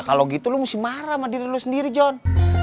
kalo gitu lo mesti marah sama diri lo sendiri john